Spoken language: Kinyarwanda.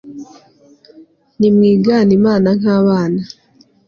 nimwigane Imana nk abana